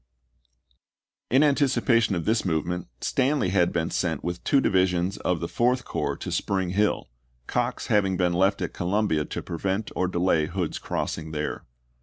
FKANKLIN AND NASHVILLE u In anticipation of this movement Stanley had been sent with two divisions of the Fourth Corps to Spring Hill, Cox having been left at Columbia to prevent or delay Hood's crossing there.